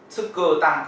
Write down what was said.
sức cơ tăng